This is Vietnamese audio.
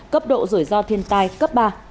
cấp độ rủi ro thiên tai cấp ba